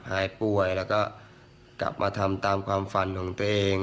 หายป่วยแล้วก็กลับมาทำตามความฝันของตัวเอง